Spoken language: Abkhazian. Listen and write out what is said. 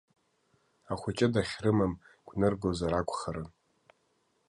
Ахәыҷы дахьрымам гәныргозар акәхарын.